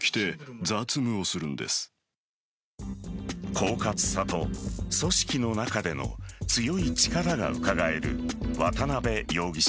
こうかつさと組織の中での強い力が伺える渡辺容疑者。